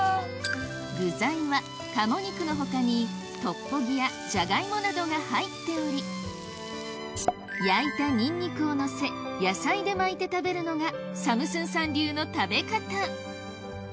具材は鴨肉の他にトッポギやジャガイモなどが入っており焼いたニンニクをのせ野菜で巻いて食べるのがサムスンさん流の食べ方